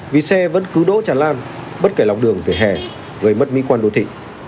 vì xe vẫn cứ đỗ tràn lan bất kể lọc đường vỉa hè gây mất mỹ quan đô thị